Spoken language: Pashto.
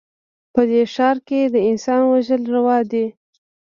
په دې ښـار کښې د انسان وژل روا دي